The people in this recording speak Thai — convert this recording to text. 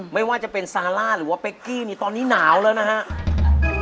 ไม่ว่าจะเป็นซาร่าหรือว่าตอนนี้นาวแล้วน่ะครับ